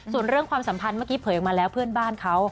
ส่วนเรื่องความสัมพันธ์เมื่อกี้เผยออกมาแล้วเพื่อนบ้านเขา